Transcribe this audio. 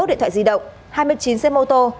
hai mươi một điện thoại di động hai mươi chín xe mô tô